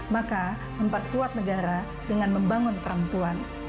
maka memperkuat negara dengan membangun perempuan